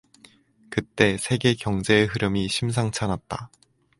그때 세계 경제의 흐름이 심상찮았다.